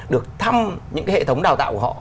được thăm những cái hệ thống đào tạo của họ